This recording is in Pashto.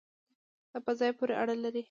دا په ځای پورې اړه لري